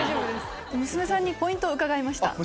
娘さんにポイントを伺いました。